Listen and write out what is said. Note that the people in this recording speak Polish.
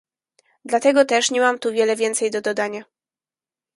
Dlatego też nie mam tu wiele więcej do dodania